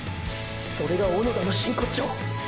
それが小野田の真骨頂！！